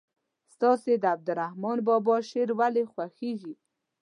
ستاسې د عبدالرحمان بابا شعر ولې خوښیږي.